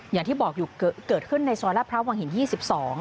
อย่างที่บอกอยู่เกิดขึ้นในซอยลาดพระวังหิน๒๒